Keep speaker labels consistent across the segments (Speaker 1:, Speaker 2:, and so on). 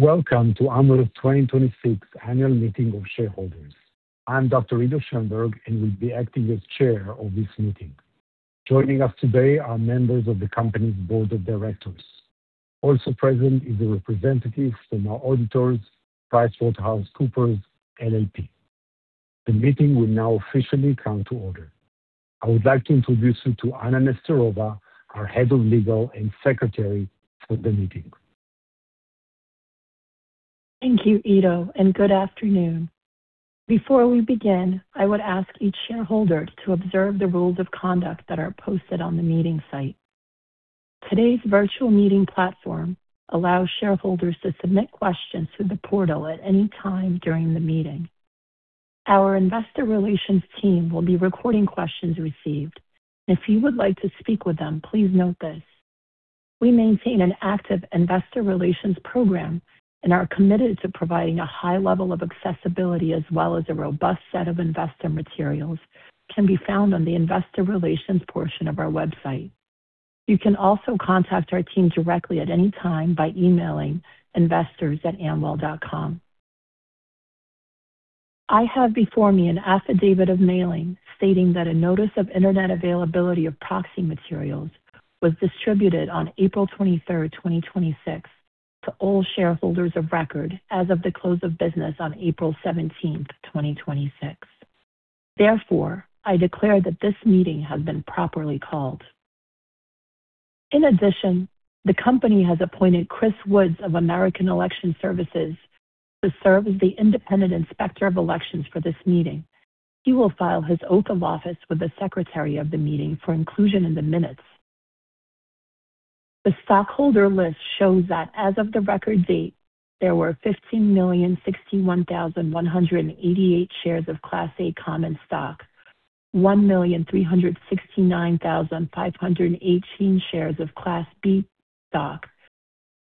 Speaker 1: Welcome to Amwell's 2026 Annual Meeting of Shareholders. I'm Dr. Ido Schoenberg, and will be acting as chair of this meeting. Joining us today are members of the company's board of directors. Also present is a representative from our auditors, PricewaterhouseCoopers LLP. The meeting will now officially come to order. I would like to introduce you to Anna Nesterova, our head of legal and secretary for the meeting.
Speaker 2: Thank you, Ido, and good afternoon. Before we begin, I would ask each shareholder to observe the rules of conduct that are posted on the meeting site. Today's virtual meeting platform allows shareholders to submit questions through the portal at any time during the meeting. Our investor relations team will be recording questions received. If you would like to speak with them, please note this. We maintain an active investor relations program and are committed to providing a high level of accessibility as well as a robust set of investor materials, which can be found on the investor relations portion of our website. You can also contact our team directly at any time by emailing investors@amwell.com. I have before me an affidavit of mailing stating that a notice of internet availability of proxy materials was distributed on April 23, 2026, to all shareholders of record as of the close of business on April 17, 2026. Therefore, I declare that this meeting has been properly called. In addition, the company has appointed Chris Woods of American Election Services to serve as the independent inspector of elections for this meeting. He will file his oath of office with the secretary of the meeting for inclusion in the minutes. The stockholder list shows that as of the record date, there were 15,061,188 shares of Class A common stock, 1,369,518 shares of Class B stock,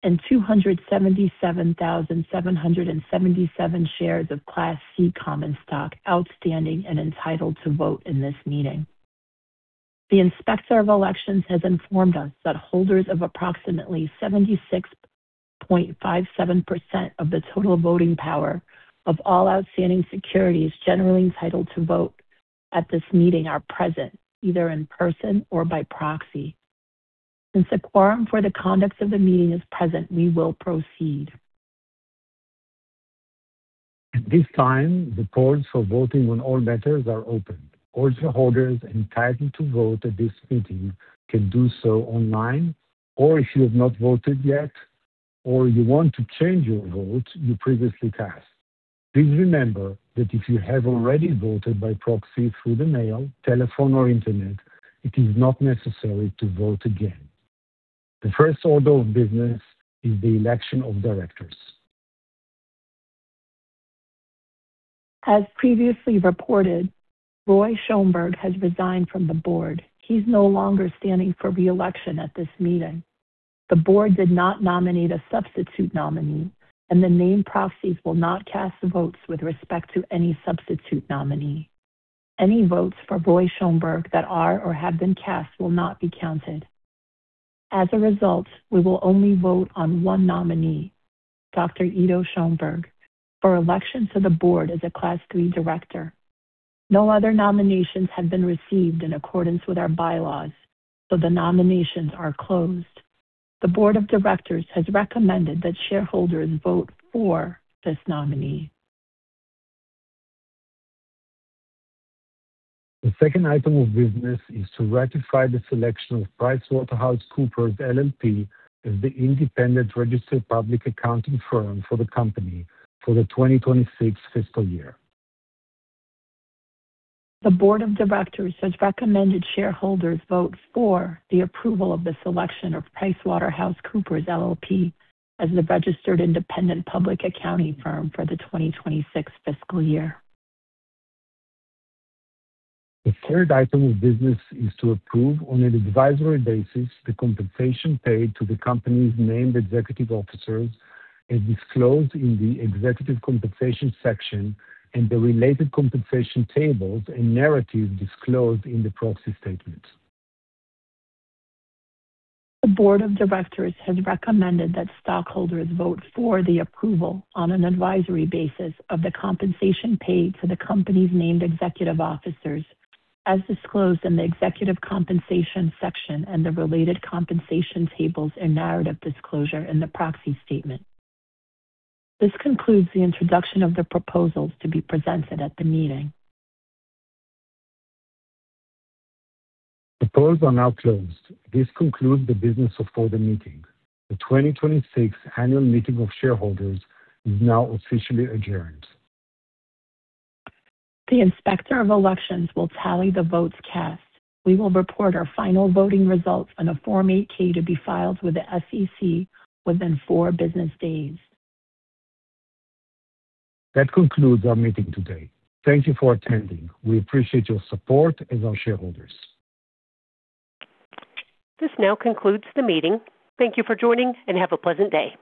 Speaker 2: and 277,777 shares of Class C common stock outstanding and entitled to vote in this meeting. The inspector of elections has informed us that holders of approximately 76.57% of the total voting power of all outstanding securities generally entitled to vote at this meeting are present, either in person or by proxy. Since a quorum for the conduct of the meeting is present, we will proceed.
Speaker 1: At this time, the polls for voting on all matters are open. All shareholders entitled to vote at this meeting can do so online, or if you have not voted yet or you want to change your vote you previously cast. Please remember that if you have already voted by proxy through the mail, telephone, or internet, it is not necessary to vote again. The first order of business is the election of directors.
Speaker 2: As previously reported, Roy Schoenberg has resigned from the board. He's no longer standing for reelection at this meeting. The board did not nominate a substitute nominee, and the named proxies will not cast votes with respect to any substitute nominee. Any votes for Roy Schoenberg that are or have been cast will not be counted. As a result, we will only vote on one nominee, Dr. Ido Schoenberg, for election to the board as a Class III director. No other nominations have been received in accordance with our bylaws, the nominations are closed. The board of directors has recommended that shareholders vote for this nominee.
Speaker 1: The second item of business is to ratify the selection of PricewaterhouseCoopers LLP as the independent registered public accounting firm for the company for the 2026 fiscal year.
Speaker 2: The board of directors has recommended shareholders vote for the approval of the selection of PricewaterhouseCoopers LLP as the registered independent public accounting firm for the 2026 fiscal year.
Speaker 1: The third item of business is to approve, on an advisory basis, the compensation paid to the company's named executive officers as disclosed in the executive compensation section and the related compensation tables and narratives disclosed in the proxy statement.
Speaker 2: The board of directors has recommended that stockholders vote for the approval on an advisory basis of the compensation paid to the company's named executive officers, as disclosed in the executive compensation section and the related compensation tables and narrative disclosure in the proxy statement. This concludes the introduction of the proposals to be presented at the meeting.
Speaker 1: The polls are now closed. This concludes the business for the meeting. The 2026 Annual Meeting of Shareholders is now officially adjourned.
Speaker 2: The inspector of elections will tally the votes cast. We will report our final voting results on a Form 8-K to be filed with the SEC within four business days.
Speaker 1: That concludes our meeting today. Thank you for attending. We appreciate your support as our shareholders.
Speaker 3: This now concludes the meeting. Thank you for joining, and have a pleasant day.